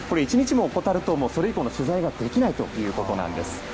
１日も怠るとそれ以降の取材ができないということです。